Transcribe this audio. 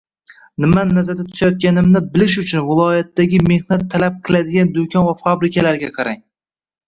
Nimani nazarda tutayotganimni bilish uchun viloyatdagi mehnat talab qiladigan do'kon va fabrikalarga qarang